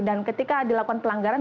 dan ketika dilakukan pelanggaran